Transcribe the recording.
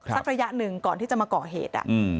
ระยะหนึ่งก่อนที่จะมาก่อเหตุ